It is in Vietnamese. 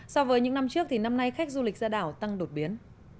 so với những năm trước thì năm nay khách du lịch ra đảo tăng đột biến